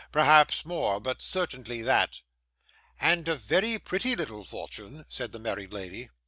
Perhaps more, but certainly that.' 'And a very pretty little fortune,' said the married lady.